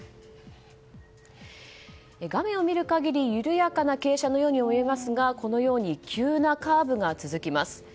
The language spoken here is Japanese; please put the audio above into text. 画面を見る限り緩やかな傾斜のように見えますが急なカーブが続きます。